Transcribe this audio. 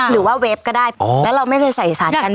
หรือว่าเวฟก็ได้แล้วเราไม่ได้ใส่สัตว์การบุก